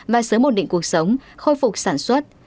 và sớm ổn định cuộc sống khôi phục sản xuất